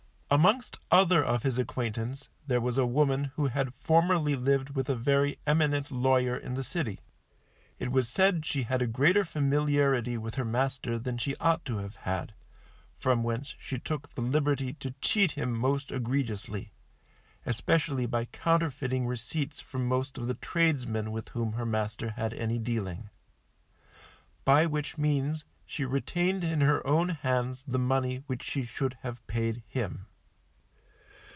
Amongst other of his acquaintance there was a woman who had formerly lived with a very eminent lawyer in the City. It was said she had a greater familiarity with her master than she ought to have had, from whence she took the liberty to cheat him most egregiously, especially by counterfeiting receipts from most of the tradesmen with whom her master had any dealing, by which means she retained in her own hands the money which she should have paid him.